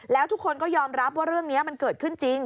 แล้วทุกคนก็ยอมรับว่าเรื่องนี้มันเกิดขึ้นจริง